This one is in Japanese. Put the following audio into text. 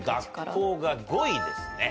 学校が５位ですね。